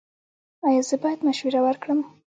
ایا زه باید مشوره ورکړم؟